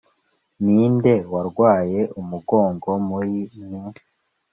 ninde warwaye umugongo muri mwe